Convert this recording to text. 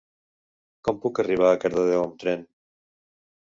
Com puc arribar a Cardedeu amb tren?